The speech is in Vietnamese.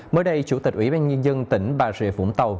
mới đây chủ tịch ủy ban nhân dân tỉnh bà rịa vũng tàu